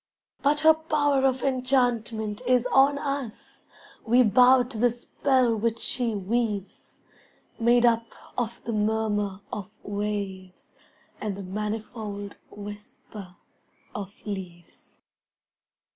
But her power of enchantment is on us, We bow to the spell which she weaves, Made up of the murmur of waves And the manifold whisper of leaves.